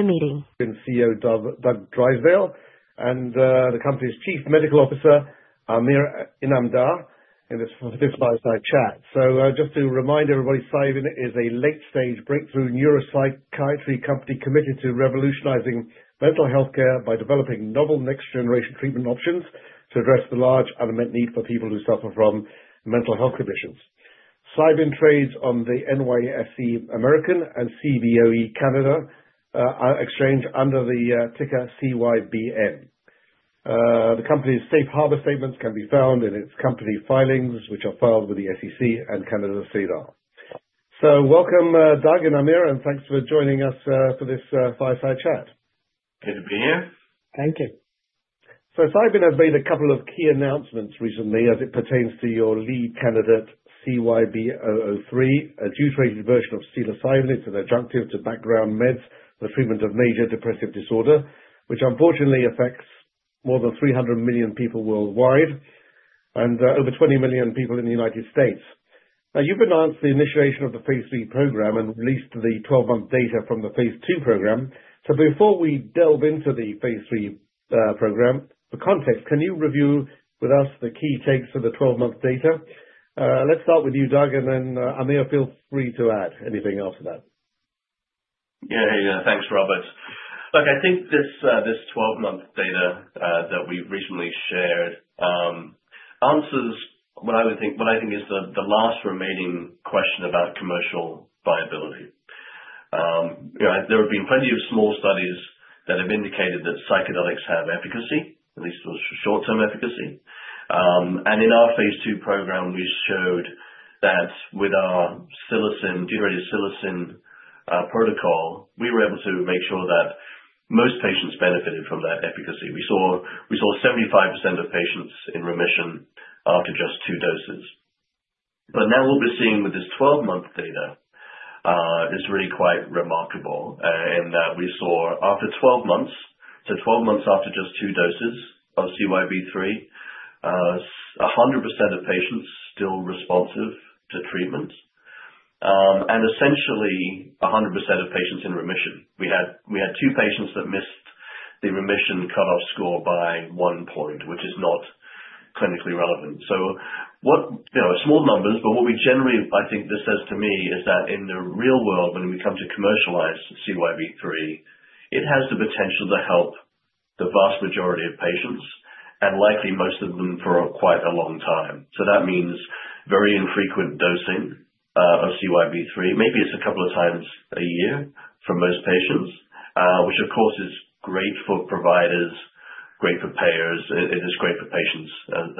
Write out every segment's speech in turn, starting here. The meeting. CEO Doug Drysdale and the company's Chief Medical Officer, Amir Inamdar, in this chat. Just to remind everybody, Cybin is a late-stage breakthrough neuropsychiatry company committed to revolutionizing mental healthcare by developing novel next-generation treatment options to address the large unmet need for people who suffer from mental health conditions. Cybin trades on the NYSE American and Cboe Canada exchange under the ticker CYBN. The company's safe harbor statements can be found in its company filings, which are filed with the SEC and SEDAR+. Welcome, Doug and Amir. Thanks for joining us for this fireside chat. Good to be here. Thank you. So Cybin has made a couple of key announcements recently as it pertains to your lead candidate, CYB003, a deuterated version of psilocybin. It's an adjunctive to background meds for the treatment of major depressive disorder, which unfortunately affects more than 300 million people worldwide and over 20 million people in the United States. Now, you've announced the initiation of the phase 3 program and released the 12-month data from the phase 2 program. So before we delve into the phase 3 program, for context, can you review with us the key takeaways of the 12-month data? Let's start with you, Doug, and then Amir, feel free to add anything after that. Yeah, yeah, yeah. Thanks, Robert. Look, I think this 12-month data that we've recently shared answers what I think is the last remaining question about commercial viability. There have been plenty of small studies that have indicated that psychedelics have efficacy, at least short-term efficacy. And in our phase 2 program, we showed that with our generated psilocin protocol, we were able to make sure that most patients benefited from that efficacy. We saw 75% of patients in remission after just two doses. But now we'll be seeing with this 12-month data, it's really quite remarkable in that we saw after 12 months, so 12 months after just two doses of CYB003, 100% of patients still responsive to treatment, and essentially 100% of patients in remission. We had two patients that missed the remission cutoff score by one point, which is not clinically relevant. So, small numbers, but what we generally, I think this says to me, is that in the real world, when we come to commercialize CYB003, it has the potential to help the vast majority of patients and likely most of them for quite a long time. So that means very infrequent dosing of CYB003. Maybe it's a couple of times a year for most patients, which of course is great for providers, great for payers, and it is great for patients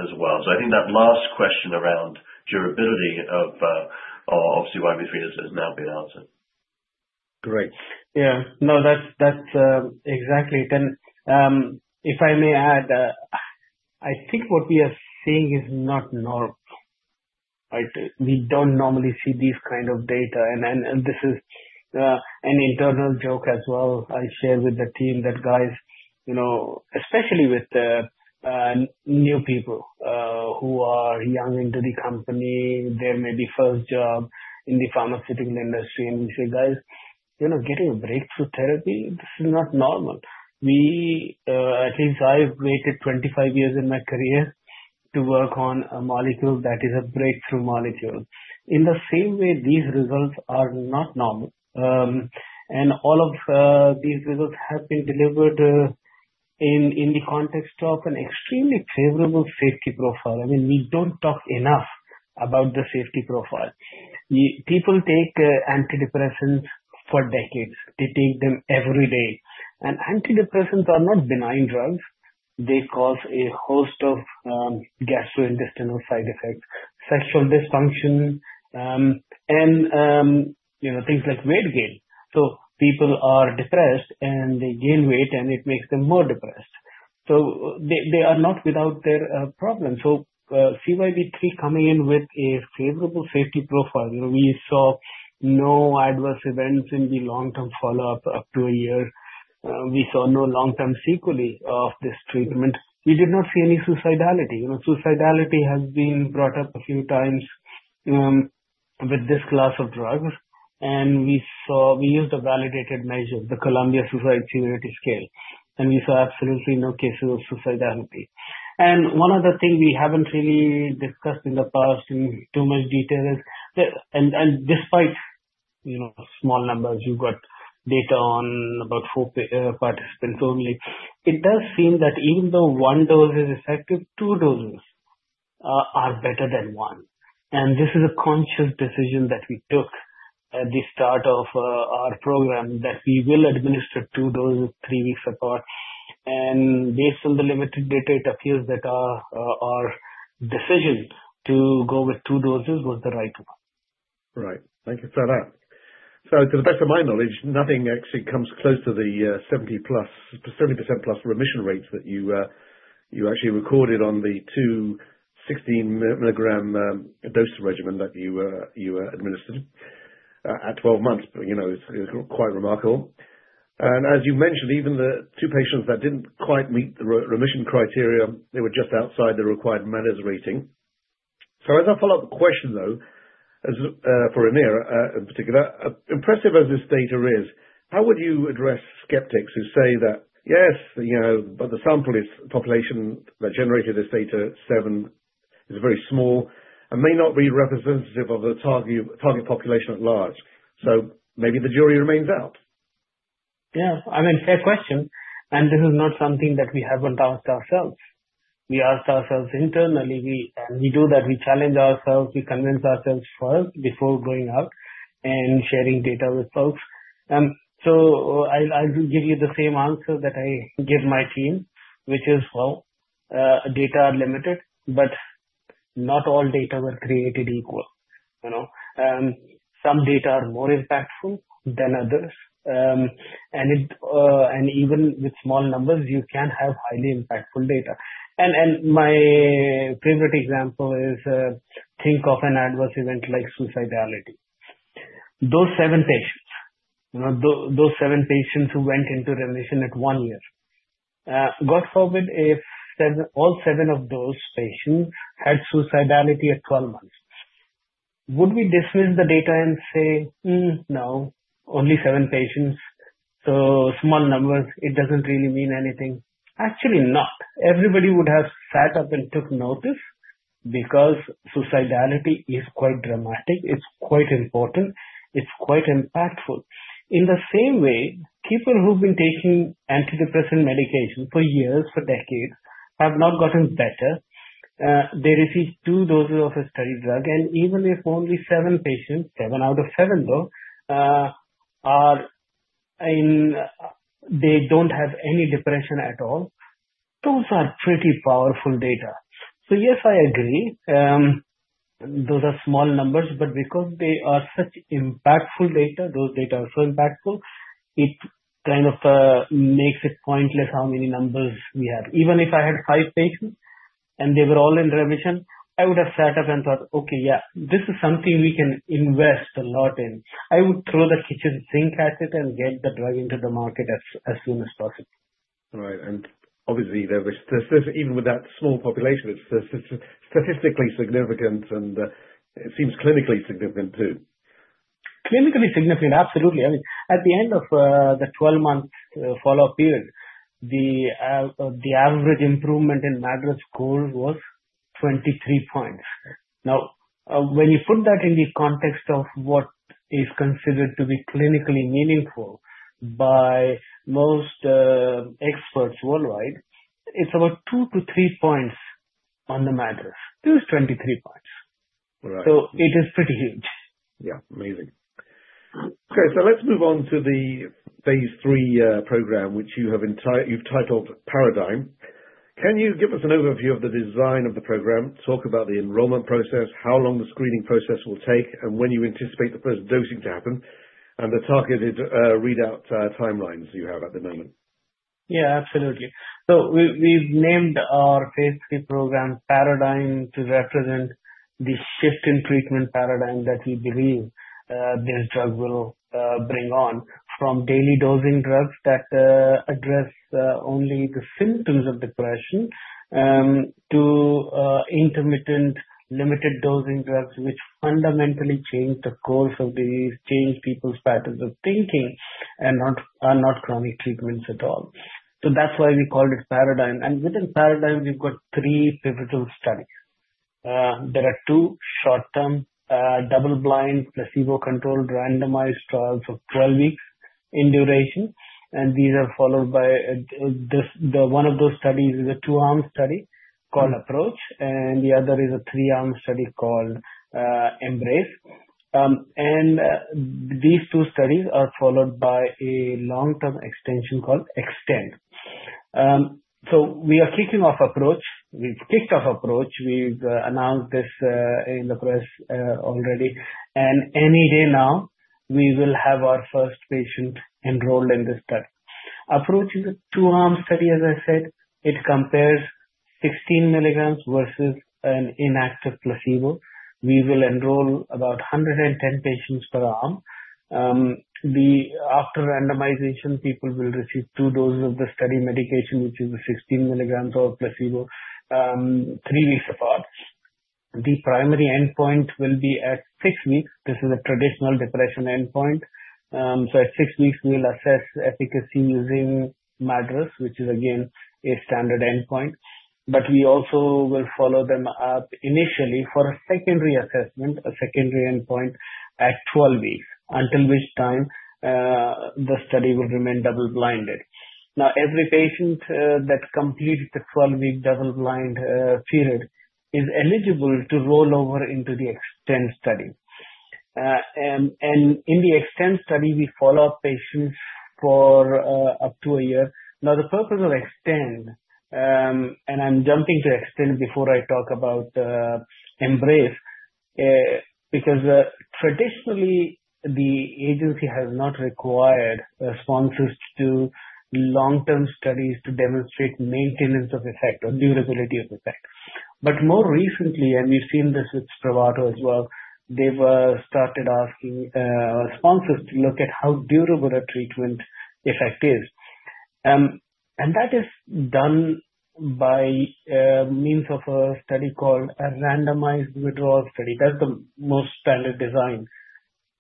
as well. So I think that last question around durability of CYB003 has now been answered. Great. Yeah. No, that's exactly it. And if I may add, I think what we are seeing is not normal. We don't normally see these kinds of data. And this is an internal joke as well. I share with the team that, guys, especially with new people who are young into the company, they're maybe first job in the pharmaceutical industry, and we say, "Guys, getting a breakthrough therapy, this is not normal." At least I've waited 25 years in my career to work on a molecule that is a breakthrough molecule. In the same way, these results are not normal. And all of these results have been delivered in the context of an extremely favorable safety profile. I mean, we don't talk enough about the safety profile. People take antidepressants for decades. They take them every day. And antidepressants are not benign drugs. They cause a host of gastrointestinal side effects, sexual dysfunction, and things like weight gain, so people are depressed, and they gain weight, and it makes them more depressed, so they are not without their problems, so CYB003 coming in with a favorable safety profile, we saw no adverse events in the long-term follow-up up to a year. We saw no long-term sequelae of this treatment. We did not see any suicidality. Suicidality has been brought up a few times with this class of drugs, and we used a validated measure, the Columbia-Suicide Severity Rating Scale, and we saw absolutely no cases of suicidality, and one other thing we haven't really discussed in the past in too much detail is, and despite small numbers, you've got data on about four participants only, it does seem that even though one dose is effective, two doses are better than one. This is a conscious decision that we took at the start of our program, that we will administer two doses three weeks apart. Based on the limited data, it appears that our decision to go with two doses was the right one. Right. Thank you for that. So to the best of my knowledge, nothing actually comes close to the 70% plus remission rates that you actually recorded on the two 16-milligram dose regimen that you administered at 12 months. It's quite remarkable. And as you mentioned, even the two patients that didn't quite meet the remission criteria, they were just outside the required MADRS rating. So as a follow-up question, though, for Amir in particular, impressive as this data is, how would you address skeptics who say that, "Yes, but the sample population that generated this dataset is very small and may not be representative of the target population at large." So maybe the jury remains out. Yeah. I mean, fair question. And this is not something that we haven't asked ourselves. We asked ourselves internally, and we do that. We challenge ourselves. We convince ourselves first before going out and sharing data with folks. So I'll give you the same answer that I give my team, which is, well, data are limited, but not all data were created equal. Some data are more impactful than others. And even with small numbers, you can have highly impactful data. And my favorite example is, think of an adverse event like suicidality. Those seven patients, those seven patients who went into remission at one year, God forbid if all seven of those patients had suicidality at 12 months, would we dismiss the data and say, "No, only seven patients, so small numbers, it doesn't really mean anything"? Actually, not. Everybody would have sat up and took notice because suicidality is quite dramatic. It's quite important. It's quite impactful. In the same way, people who've been taking antidepressant medication for years, for decades, have not gotten better. They received two doses of a study drug. And even if only seven patients, seven out of seven, though, they don't have any depression at all, those are pretty powerful data. So yes, I agree. Those are small numbers. But because they are such impactful data, those data are so impactful, it kind of makes it pointless how many numbers we have. Even if I had five patients and they were all in remission, I would have sat up and thought, "Okay, yeah, this is something we can invest a lot in." I would throw the kitchen sink at it and get the drug into the market as soon as possible. Right, and obviously, even with that small population, it's statistically significant, and it seems clinically significant too. Clinically significant, absolutely. I mean, at the end of the 12-month follow-up period, the average improvement in MADRS score was 23 points. Now, when you put that in the context of what is considered to be clinically meaningful by most experts worldwide, it's about two to three points on the MADRS. It was 23 points. So it is pretty huge. Yeah. Amazing. Okay, so let's move on to the Phase III program, which you've titled Paradigm. Can you give us an overview of the design of the program, talk about the enrollment process, how long the screening process will take, and when you anticipate the first dosing to happen, and the targeted readout timelines you have at the moment? Yeah, absolutely. So we've named our Phase III program Paradigm to represent the shift in treatment paradigm that we believe this drug will bring on, from daily dosing drugs that address only the symptoms of depression to intermittent limited dosing drugs, which fundamentally change the course of disease, change people's patterns of thinking, and are not chronic treatments at all. So that's why we called it Paradigm. And within Paradigm, we've got three pivotal studies. There are two short-term double-blind placebo-controlled randomized trials of 12 weeks in duration. And these are followed by one of those studies is a two-arm study called Approach, and the other is a three-arm study called Embrace. And these two studies are followed by a long-term extension called Extend. So we are kicking off Approach. We've kicked off Approach. We've announced this in the press already. Any day now, we will have our first patient enrolled in this study. Approach is a two-arm study, as I said. It compares 16 milligrams versus an inactive placebo. We will enroll about 110 patients per arm. After randomization, people will receive two doses of the study medication, which is 16 milligrams or placebo, three weeks apart. The primary endpoint will be at six weeks. This is a traditional depression endpoint. At six weeks, we'll assess efficacy using MADRS, which is, again, a standard endpoint. But we also will follow them up initially for a secondary assessment, a secondary endpoint at 12 weeks, until which time the study will remain double-blinded. Now, every patient that completes the 12-week double-blind period is eligible to roll over into the Extend study. In the Extend study, we follow up patients for up to a year. Now, the purpose of EXTEND, and I'm jumping to EXTEND before I talk about EMBRACE, because traditionally, the agency has not required responses to long-term studies to demonstrate maintenance of effect or durability of effect, but more recently, and we've seen this with Spravato as well, they've started asking responses to look at how durable a treatment effect is, and that is done by means of a study called a randomized withdrawal study. That's the most standard design.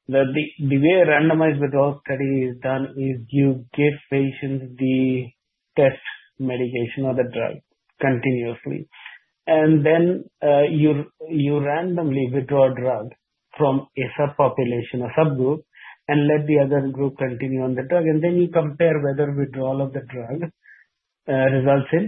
The way a randomized withdrawal study is done is you give patients the test medication or the drug continuously, and then you randomly withdraw a drug from a subpopulation, a subgroup, and let the other group continue on the drug, and then you compare whether withdrawal of the drug results in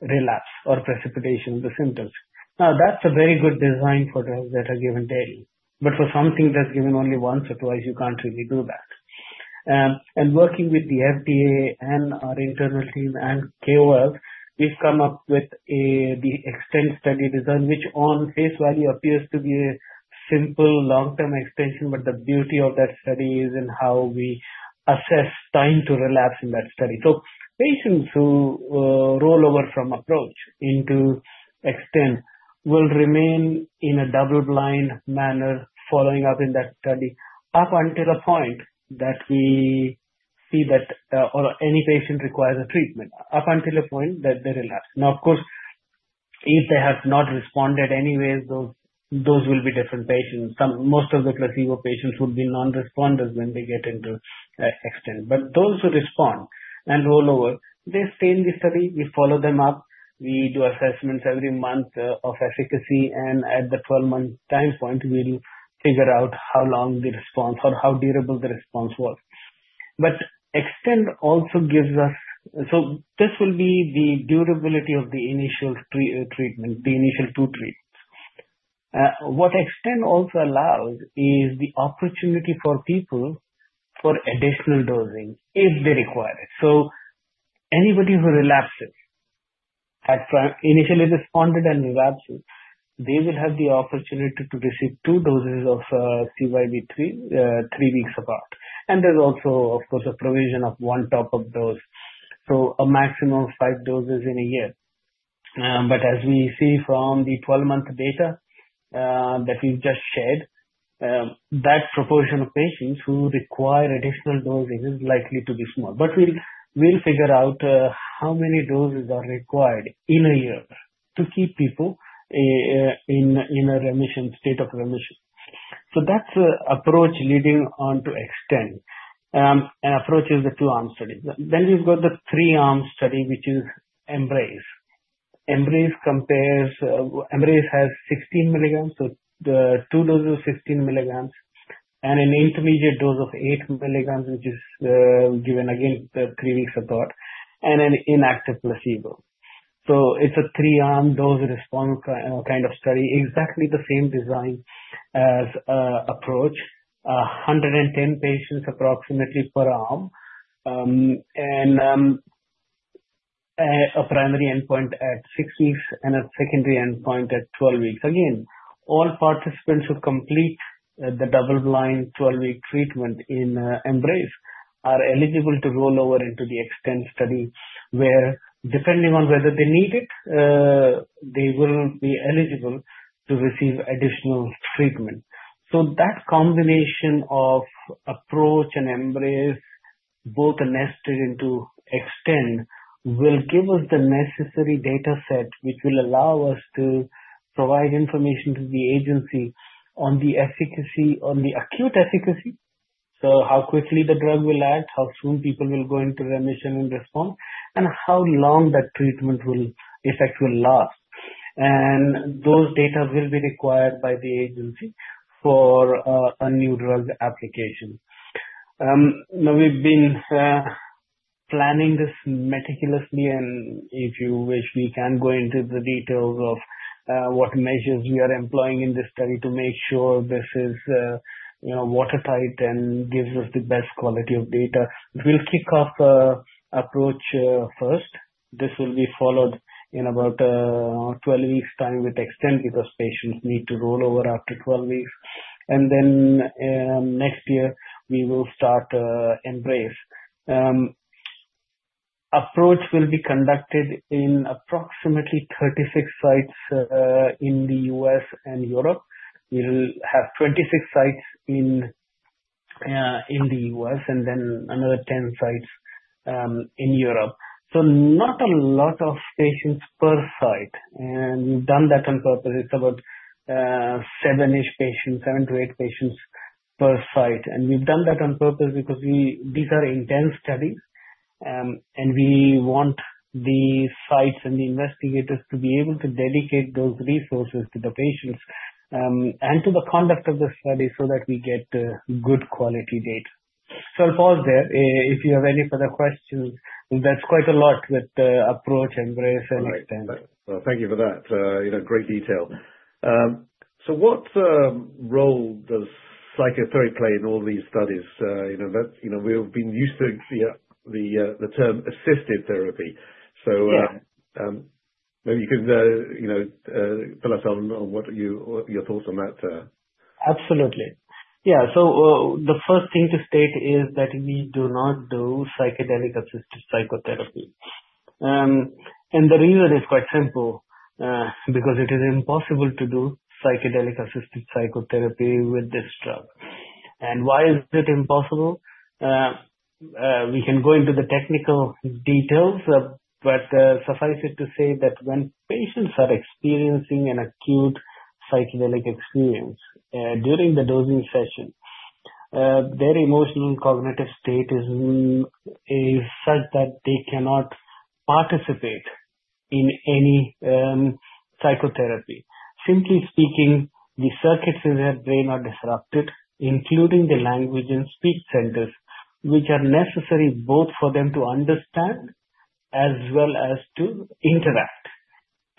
relapse or precipitation of the symptoms. Now, that's a very good design for drugs that are given daily. But for something that's given only once or twice, you can't really do that. And working with the FDA and our internal team and KOL, we've come up with the Extend study design, which on face value appears to be a simple long-term extension. But the beauty of that study is in how we assess time to relapse in that study. So patients who roll over from Approach into Extend will remain in a double-blind manner following up in that study up until a point that we see that any patient requires a treatment, up until a point that they relapse. Now, of course, if they have not responded anyway, those will be different patients. Most of the placebo patients would be non-responders when they get into Extend. But those who respond and roll over, they stay in the study. We follow them up. We do assessments every month of efficacy, and at the 12-month time point, we'll figure out how long the response or how durable the response was, but EXTEND also gives us, so this will be the durability of the initial treatment, the initial two treatments. What EXTEND also allows is the opportunity for people for additional dosing if they require it, so anybody who relapses at initially responded and relapses, they will have the opportunity to receive two doses of CYB003 three weeks apart. And there's also, of course, a provision of one top-up dose, so a maximum of five doses in a year. But as we see from the 12-month data that we've just shared, that proportion of patients who require additional dosing is likely to be small, but we'll figure out how many doses are required in a year to keep people in a remission state of remission. That's the approach leading on to EXTEND. APPROACH is the two-arm study. We've got the three-arm study, which is EMBRACE. EMBRACE has 16 milligrams, so two doses of 16 milligrams, and an intermediate dose of 8 milligrams, which is given again three weeks apart, and an inactive placebo. It's a three-arm dose-response kind of study, exactly the same design as APPROACH, 110 patients approximately per arm, and a primary endpoint at six weeks and a secondary endpoint at 12 weeks. Again, all participants who complete the double-blind 12-week treatment in EMBRACE are eligible to roll over into the EXTEND study, where, depending on whether they need it, they will be eligible to receive additional treatment. That combination of APPROACH and EMBACE, both nested into EXTEND, will give us the necessary dataset, which will allow us to provide information to the agency on the acute efficacy, so how quickly the drug will act, how soon people will go into remission and respond, and how long that treatment effect will last. And those data will be required by the agency for a new drug application. Now, we've been planning this meticulously. And if you wish, we can go into the details of what measures we are employing in this study to make sure this is watertight and gives us the best quality of data. We'll kick off APPROACH first. This will be followed in about 12 weeks' time with EXTEND because patients need to roll over after 12 weeks. And then next year, we will start EMBACE. APPROACH will be conducted in approximately 36 sites in the U.S. and Europe. We'll have 26 sites in the U.S. and then another 10 sites in Europe. So not a lot of patients per site. And we've done that on purpose. It's about seven-ish patients, seven to eight patients per site. And we've done that on purpose because these are intense studies. And we want the sites and the investigators to be able to dedicate those resources to the patients and to the conduct of the study so that we get good quality data. So I'll pause there. If you have any further questions, that's quite a lot with APPROACH, Embrace, and Extend. Thank you for that. Great detail. So what role does psychotherapy play in all these studies? We've been used to the term assisted therapy. So maybe you can fill us in on what your thoughts on that. Absolutely. Yeah, so the first thing to state is that we do not do psychedelic-assisted psychotherapy, and the reason is quite simple because it is impossible to do psychedelic-assisted psychotherapy with this drug, and why is it impossible? We can go into the technical details, but suffice it to say that when patients are experiencing an acute psychedelic experience during the dosing session, their emotional and cognitive state is such that they cannot participate in any psychotherapy. Simply speaking, the circuits in their brain are disrupted, including the language and speech centers, which are necessary both for them to understand as well as to interact,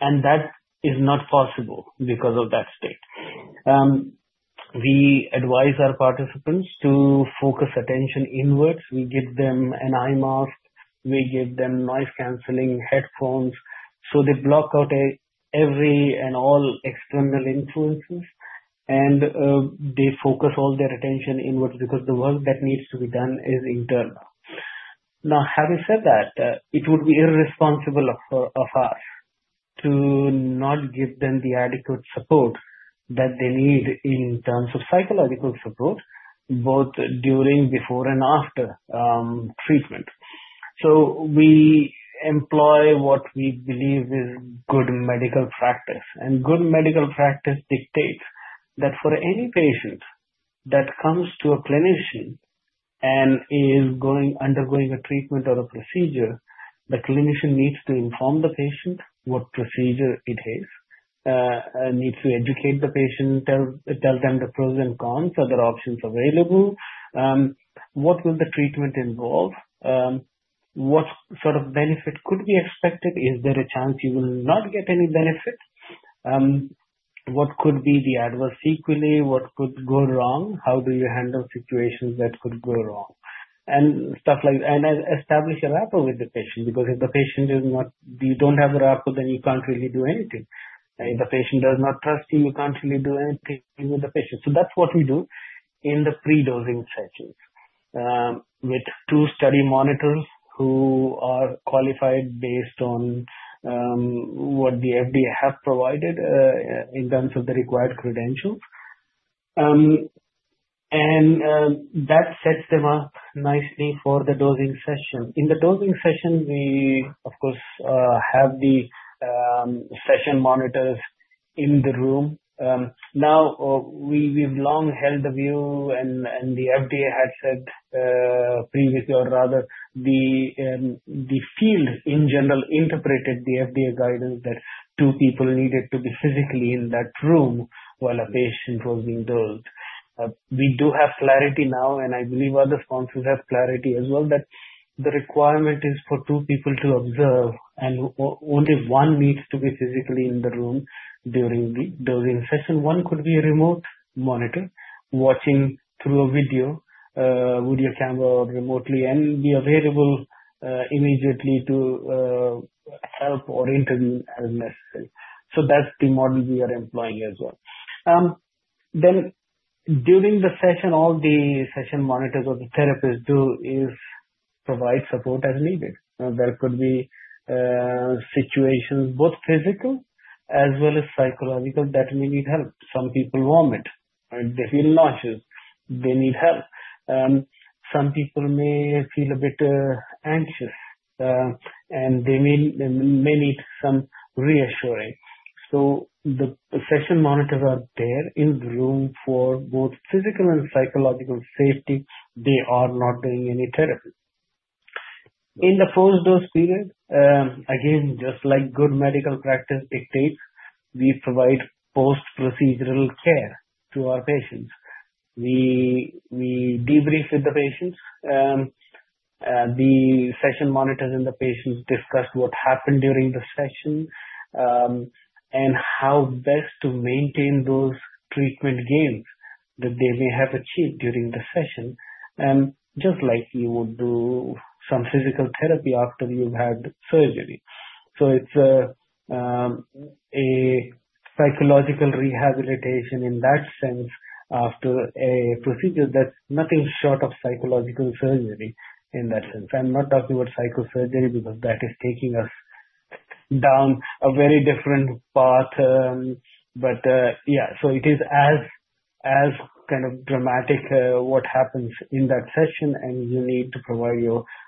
and that is not possible because of that state. We advise our participants to focus attention inwards. We give them an eye mask. We give them noise-canceling headphones so they block out every and all external influences. They focus all their attention inwards because the work that needs to be done is internal. Now, having said that, it would be irresponsible of us to not give them the adequate support that they need in terms of psychological support, both during, before, and after treatment. We employ what we believe is good medical practice. Good medical practice dictates that for any patient that comes to a clinician and is undergoing a treatment or a procedure, the clinician needs to inform the patient what procedure it is, needs to educate the patient, tell them the pros and cons, other options available, what will the treatment involve, what sort of benefit could be expected, is there a chance you will not get any benefit, what could be the adverse sequelae, what could go wrong, how do you handle situations that could go wrong, and stuff like that, and establish a rapport with the patient. Because if you don't have a rapport, then you can't really do anything. If the patient does not trust you, you can't really do anything with the patient. So that's what we do in the pre-dosing sessions with two study monitors who are qualified based on what the FDA has provided in terms of the required credentials. And that sets them up nicely for the dosing session. In the dosing session, we, of course, have the session monitors in the room. Now, we've long held the view, and the FDA had said previously, or rather, the field in general interpreted the FDA guidance that two people needed to be physically in that room while a patient was being dosed. We do have clarity now, and I believe other sponsors have clarity as well, that the requirement is for two people to observe, and only one needs to be physically in the room during the dosing session. One could be a remote monitor watching through a video, video camera, or remotely, and be available immediately to help or intervene as necessary. So that's the model we are employing as well. Then, during the session, all the session monitors or the therapists do is provide support as needed. There could be situations, both physical as well as psychological, that may need help. Some people vomit. They feel nauseous. They need help. Some people may feel a bit anxious, and they may need some reassuring. So the session monitors are there in the room for both physical and psychological safety. They are not doing any therapy. In the post-dose period, again, just like good medical practice dictates, we provide post-procedural care to our patients. We debrief with the patients. The session monitors and the patients discuss what happened during the session and how best to maintain those treatment gains that they may have achieved during the session, just like you would do some physical therapy after you've had surgery. So it's a psychological rehabilitation in that sense after a procedure that's nothing short of psychological surgery in that sense. I'm not talking about psychosurgery because that is taking us down a very different path. But yeah, so it is as kind of dramatic what happens in that session, and you need to provide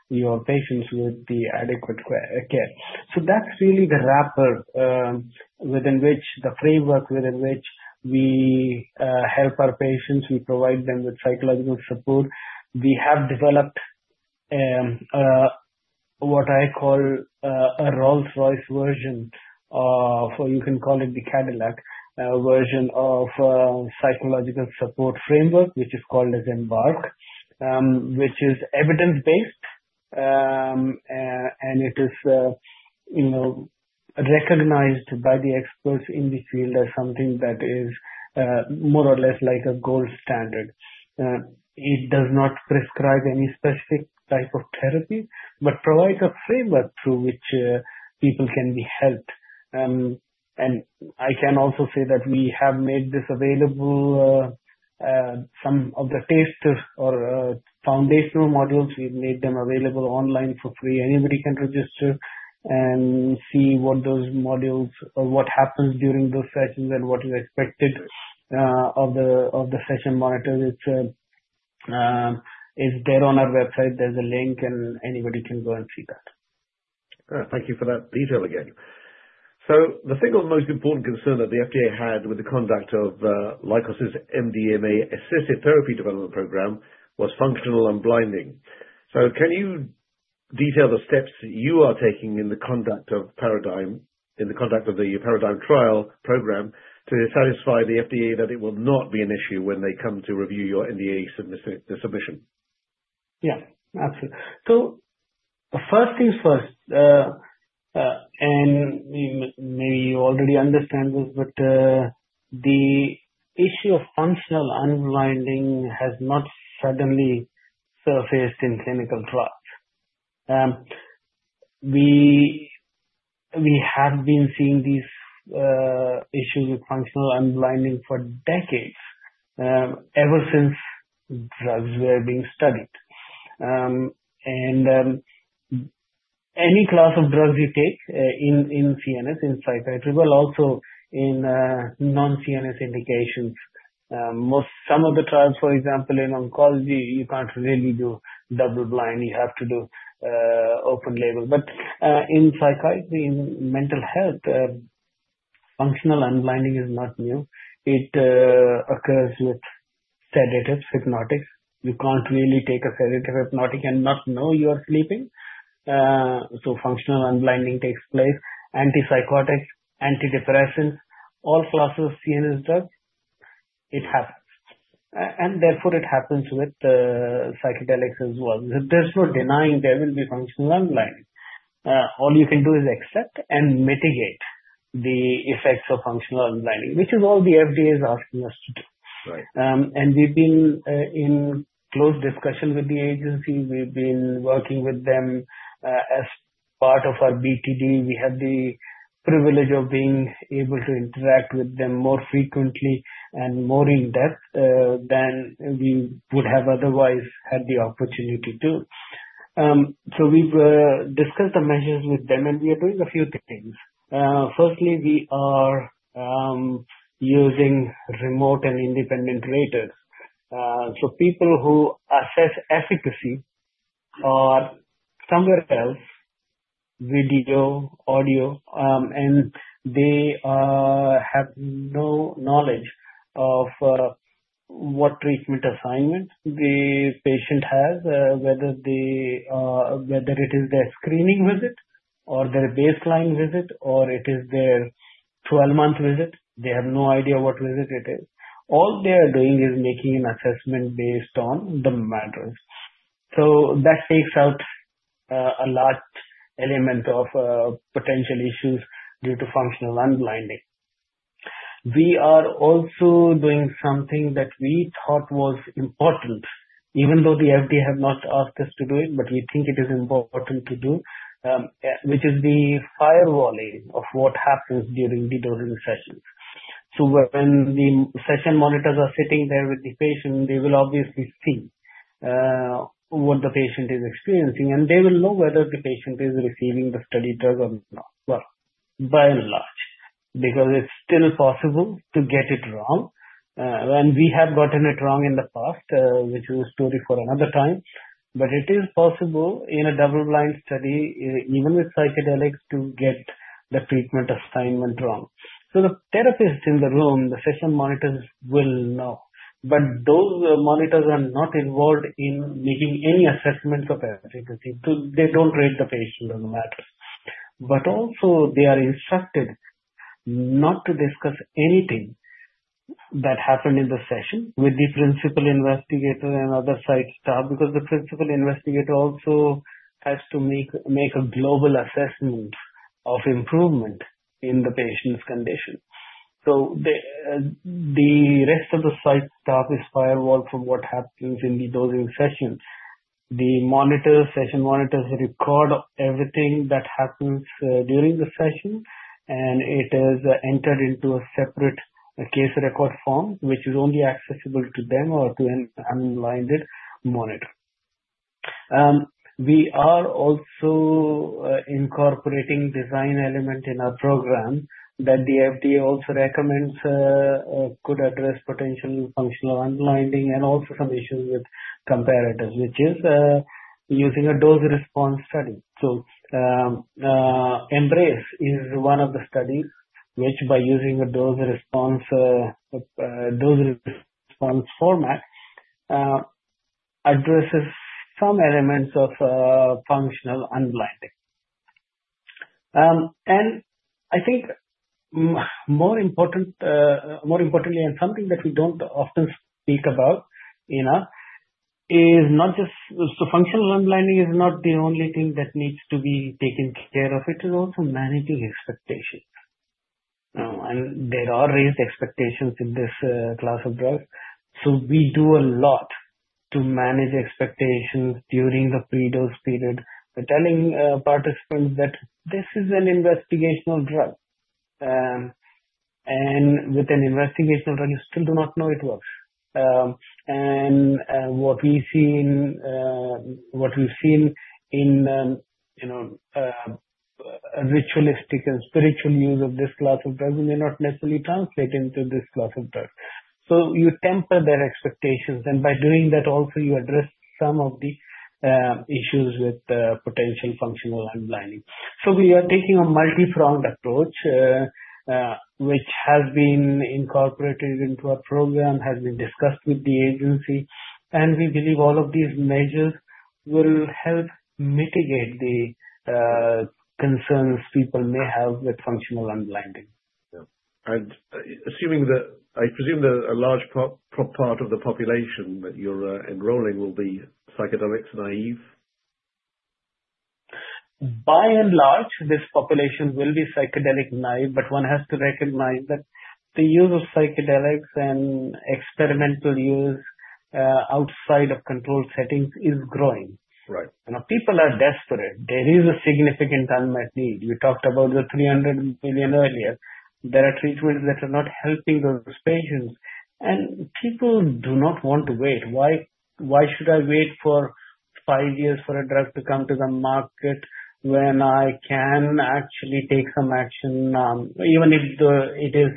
your patients with the adequate care. So that's really the wrapper within which the framework within which we help our patients. We provide them with psychological support. We have developed what I call a Rolls-Royce version, or you can call it the Cadillac version of psychological support framework, which is called Embark, which is evidence-based. It is recognized by the experts in the field as something that is more or less like a gold standard. It does not prescribe any specific type of therapy but provides a framework through which people can be helped. I can also say that we have made this available. Some of the testers or foundational models, we've made them available online for free. Anybody can register and see what those modules or what happens during those sessions and what is expected of the session monitor. It's there on our website. There's a link, and anybody can go and see that. Thank you for that detail again. So the single most important concern that the FDA had with the conduct of Lykos's MDMA-assisted therapy development program was functional unblinding. So can you detail the steps you are taking in the conduct of PARADIGM in the conduct of the PARADIGM trial program to satisfy the FDA that it will not be an issue when they come to review your NDA submission? Yes. Absolutely. So first things first. And maybe you already understand this, but the issue of functional unblinding has not suddenly surfaced in clinical trials. We have been seeing these issues with functional unblinding for decades, ever since drugs were being studied. And any class of drugs you take in CNS, in psychiatry, well, also in non-CNS indications, some of the trials, for example, in oncology, you can't really do double-blind. You have to do open label. But in psychiatry, in mental health, functional unblinding is not new. It occurs with sedatives, hypnotics. You can't really take a sedative, hypnotic, and not know you are sleeping. So functional unblinding takes place. Antipsychotics, antidepressants, all classes of CNS drugs, it happens. And therefore, it happens with psychedelics as well. There's no denying there will be functional unblinding. All you can do is accept and mitigate the effects of functional unblinding, which is all the FDA is asking us to do, and we've been in close discussion with the agency. We've been working with them as part of our BTD. We have the privilege of being able to interact with them more frequently and more in-depth than we would have otherwise had the opportunity to, so we've discussed the measures with them, and we are doing a few things. Firstly, we are using remote and independent ratings, so people who assess efficacy are somewhere else, video, audio, and they have no knowledge of what treatment assignment the patient has, whether it is their screening visit or their baseline visit or it is their 12-month visit. They have no idea what visit it is. All they are doing is making an assessment based on the MADRS. So that takes out a large element of potential issues due to functional unblinding. We are also doing something that we thought was important, even though the FDA has not asked us to do it, but we think it is important to do, which is the firewalling of what happens during the dosing sessions. So when the session monitors are sitting there with the patient, they will obviously see what the patient is experiencing, and they will know whether the patient is receiving the study drug or not, well, by and large, because it's still possible to get it wrong. And we have gotten it wrong in the past, which is a story for another time. But it is possible in a double-blind study, even with psychedelics, to get the treatment assignment wrong. So the therapist in the room, the session monitors, will know. But those monitors are not involved in making any assessments of efficacy. They don't rate the patient on the matter. But also, they are instructed not to discuss anything that happened in the session with the principal investigator and other psych staff because the principal investigator also has to make a global assessment of improvement in the patient's condition. So the rest of the psych staff is firewalled from what happens in the dosing session. The monitors, session monitors, record everything that happens during the session, and it is entered into a separate case record form, which is only accessible to them or to an unblinded monitor. We are also incorporating a design element in our program that the FDA also recommends could address potential functional unblinding and also some issues with comparators, which is using a dose-response study. EMBRACE is one of the studies which, by using a dose-response format, addresses some elements of functional unblinding. I think more importantly, and something that we don't often speak about enough, functional unblinding is not the only thing that needs to be taken care of. It is also managing expectations. There are raised expectations in this class of drugs. We do a lot to manage expectations during the pre-dose period by telling participants that this is an investigational drug. With an investigational drug, you still do not know it works. What we've seen in ritualistic and spiritual use of this class of drugs may not necessarily translate into this class of drugs. You temper their expectations. By doing that, also, you address some of the issues with potential functional unblinding. We are taking a multi-pronged approach, which has been incorporated into our program, has been discussed with the agency. We believe all of these measures will help mitigate the concerns people may have with functional unblinding. Yeah. And I presume that a large part of the population that you're enrolling will be psychedelic-naïve? By and large, this population will be psychedelic naive. But one has to recognize that the use of psychedelics and experimental use outside of controlled settings is growing. People are desperate. There is a significant unmet need. We talked about the 300 million earlier. There are treatments that are not helping those patients. And people do not want to wait. Why should I wait for five years for a drug to come to the market when I can actually take some action, even if it is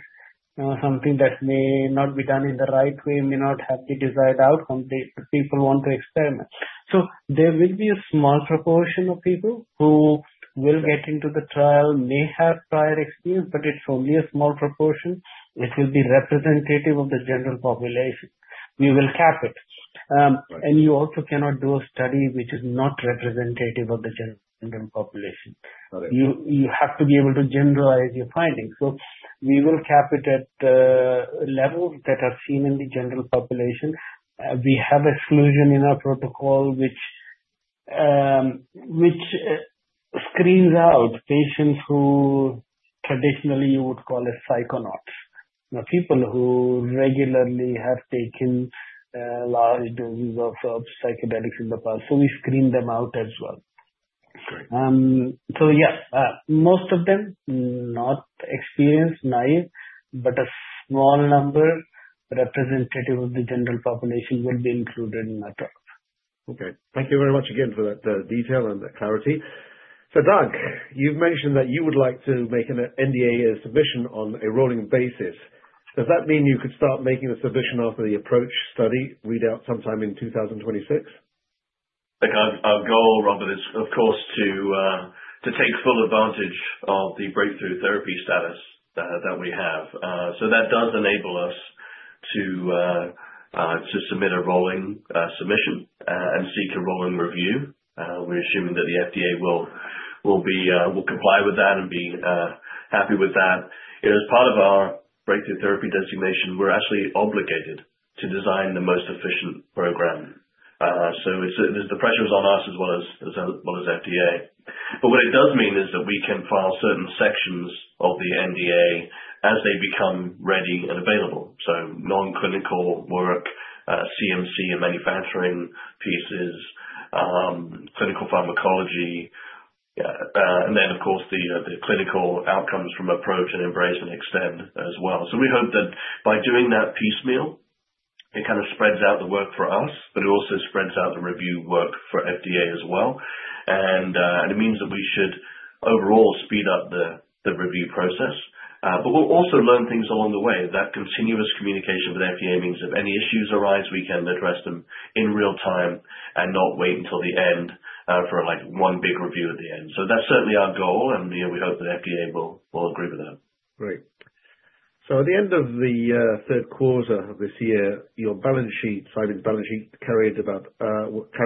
something that may not be done in the right way, may not have the desired outcome? People want to experiment. So there will be a small proportion of people who will get into the trial, may have prior experience, but it's only a small proportion. It will be representative of the general population. We will cap it. You also cannot do a study which is not representative of the general population. You have to be able to generalize your findings. We will cap it at levels that are seen in the general population. We have exclusion in our protocol, which screens out patients who traditionally you would call as psychonauts, people who regularly have taken large doses of psychedelics in the past. We screen them out as well. Yeah, most of them not experienced, naive. A small number representative of the general population will be included in our trial. Okay. Thank you very much again for the detail and the clarity, so Doug, you've mentioned that you would like to make an NDA submission on a rolling basis. Does that mean you could start making a submission after the APPROACH study readout sometime in 2026? Our goal, Robert, is, of course, to take full advantage of the breakthrough therapy status that we have. So that does enable us to submit a rolling submission and seek a rolling review. We're assuming that the FDA will comply with that and be happy with that. As part of our breakthrough therapy designation, we're actually obligated to design the most efficient program. So the pressure is on us as well as FDA. But what it does mean is that we can file certain sections of the NDA as they become ready and available. So non-clinical work, CMC and manufacturing pieces, clinical pharmacology. And then, of course, the clinical outcomes from APPROACH and EMBRACE and EXTEND as well. So we hope that by doing that piecemeal, it kind of spreads out the work for us, but it also spreads out the review work for FDA as well. It means that we should overall speed up the review process. But we'll also learn things along the way. That continuous communication with FDA means if any issues arise, we can address them in real time and not wait until the end for one big review at the end. That's certainly our goal. We hope that FDA will agree with that. Great. So at the end of the third quarter of this year, your balance sheet, Cybin's balance sheet carried about 154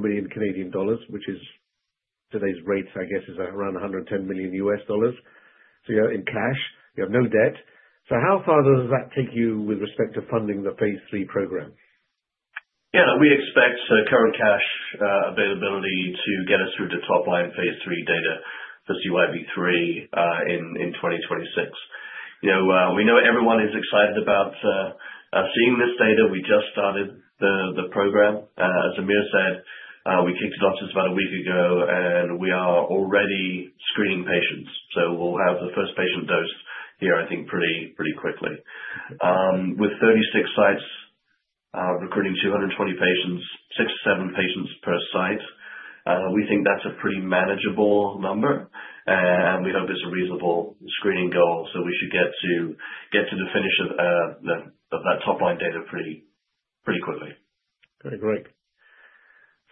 million Canadian dollars, which is today's rates, I guess, is around $110 million. So you're in cash. You have no debt. So how far does that take you with respect to funding the Phase III program? Yeah. We expect current cash availability to get us through to top-line phase three data for CYB003 in 2026. We know everyone is excited about seeing this data. We just started the program. As Amir said, we kicked it off just about a week ago, and we are already screening patients. So we'll have the first patient dose here, I think, pretty quickly. With 36 sites, recruiting 220 patients, 67 patients per site, we think that's a pretty manageable number. And we hope it's a reasonable screening goal. So we should get to the finish of that top-line data pretty quickly. Okay. Great.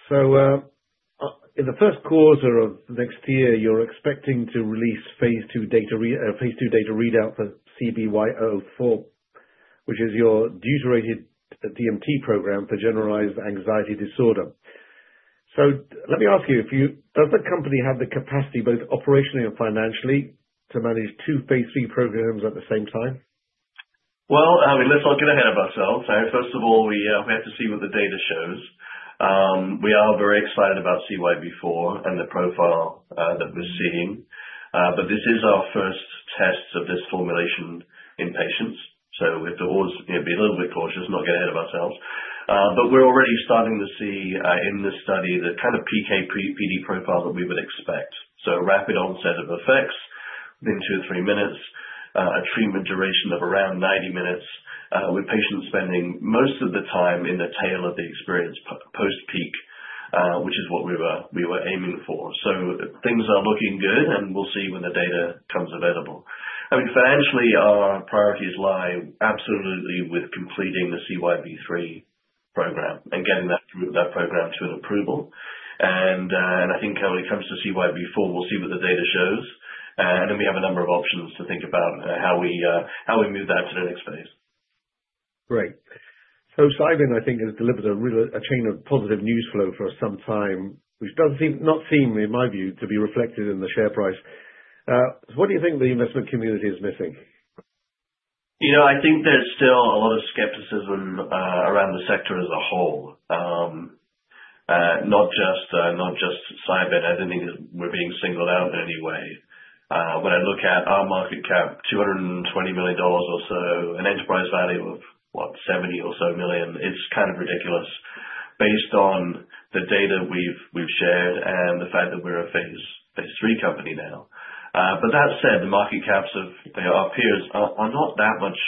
So in the first quarter of next year, you're expecting to release phase two data readout for CYB004, which is your deuterated DMT program for generalized anxiety disorder. So let me ask you, does the company have the capacity, both operationally and financially, to manage two phase three programs at the same time? I mean, let's not get ahead of ourselves. First of all, we have to see what the data shows. We are very excited about CYB004 and the profile that we're seeing, but this is our first test of this formulation in patients, so we have to always be a little bit cautious, not get ahead of ourselves, but we're already starting to see in this study the kind of PKPD profile that we would expect, so a rapid onset of effects in two or three minutes, a treatment duration of around 90 minutes, with patients spending most of the time in the tail of the experience post-peak, which is what we were aiming for, so things are looking good, and we'll see when the data comes available. I mean, financially, our priorities lie absolutely with completing the CYB003 program and getting that program to an approval. I think when it comes to CYB004, we'll see what the data shows. Then we have a number of options to think about how we move that to the next phase. Great. So Cybin, I think, has delivered a chain of positive news flow for some time, which does not seem, in my view, to be reflected in the share price. So what do you think the investment community is missing? I think there's still a lot of skepticism around the sector as a whole, not just Cybin. I don't think we're being singled out in any way. When I look at our market cap, $220 million or so, an enterprise value of, what, $70 million or so, it's kind of ridiculous based on the data we've shared and the fact that we're a Phase III company now. But that said, the market caps of our peers are not that much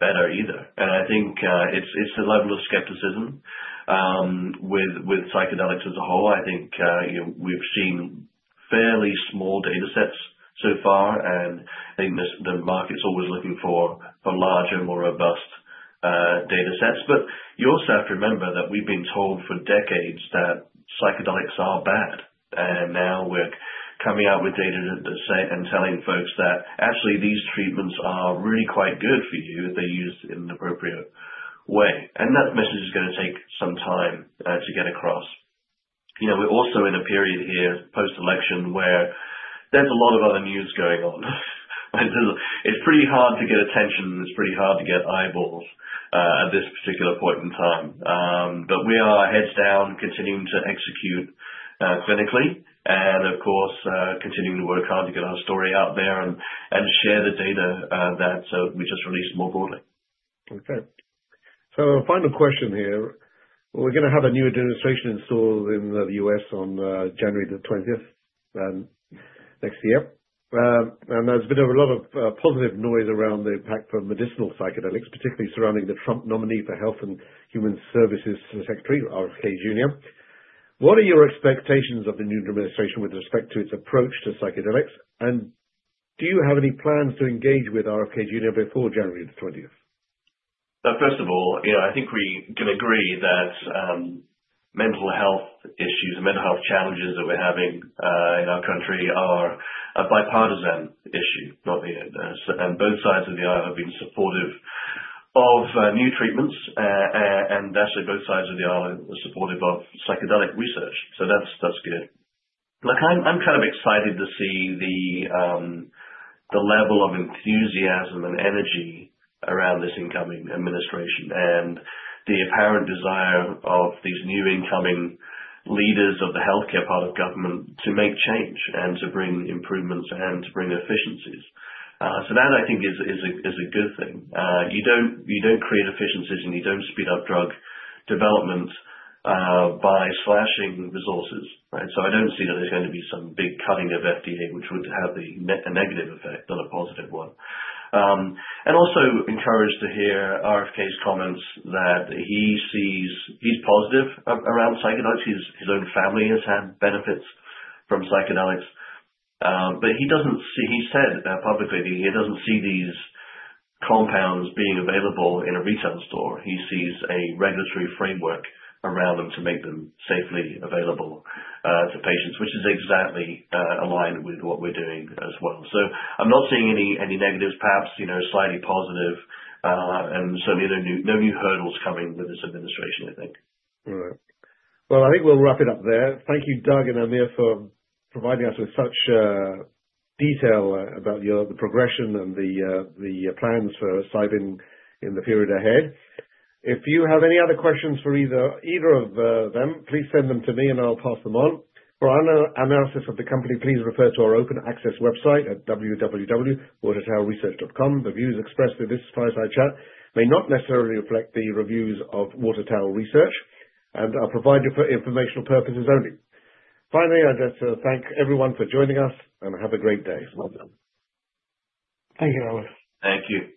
better either. And I think it's the level of skepticism with psychedelics as a whole. I think we've seen fairly small data sets so far. And I think the market's always looking for larger, more robust data sets. But you also have to remember that we've been told for decades that psychedelics are bad. Now we're coming out with data and telling folks that, actually, these treatments are really quite good for you if they're used in an appropriate way. That message is going to take some time to get across. We're also in a period here post-election where there's a lot of other news going on. It's pretty hard to get attention. It's pretty hard to get eyeballs at this particular point in time. We are heads down, continuing to execute clinically and, of course, continuing to work hard to get our story out there and share the data that we just released more broadly. Okay. So final question here. We're going to have a new administration installed in the U.S. on January the 20th next year. And there's been a lot of positive noise around the impact for medicinal psychedelics, particularly surrounding the Trump nominee for U.S. Secretary of Health and Human Services, RFK Jr. What are your expectations of the new administration with respect to its approach to psychedelics? And do you have any plans to engage with RFK Jr. before January the 20th? First of all, yeah, I think we can agree that mental health issues and mental health challenges that we're having in our country are a bipartisan issue. And both sides of the aisle have been supportive of new treatments. And actually, both sides of the aisle are supportive of psychedelic research. So that's good. Look, I'm kind of excited to see the level of enthusiasm and energy around this incoming administration and the apparent desire of these new incoming leaders of the healthcare part of government to make change and to bring improvements and to bring efficiencies. So that, I think, is a good thing. You don't create efficiencies, and you don't speed up drug development by slashing resources. So I don't see that there's going to be some big cutting of FDA, which would have a negative effect on a positive one. And also encouraged to hear RFK's comments that he sees he's positive around psychedelics. His own family has had benefits from psychedelics. But he said publicly that he doesn't see these compounds being available in a retail store. He sees a regulatory framework around them to make them safely available to patients, which is exactly aligned with what we're doing as well. So I'm not seeing any negatives, perhaps slightly positive. And certainly, no new hurdles coming with this administration, I think. All right. Well, I think we'll wrap it up there. Thank you, Doug and Amir, for providing us with such detail about the progression and the plans for Cybin in the period ahead. If you have any other questions for either of them, please send them to me, and I'll pass them on. For our analysis of the company, please refer to our open access website at www.watertowerresearch.com. The views expressed through this fireside chat may not necessarily reflect the views of Water Tower Research and are provided for informational purposes only. Finally, I'd like to thank everyone for joining us and have a great day. Thank you, Robert. Thank you.